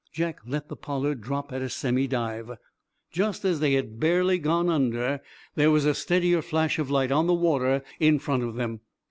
Jack let the "Pollard" drop at a semi dive. Just as they had barely gone under there was a steadier flash of light on the water in front of them.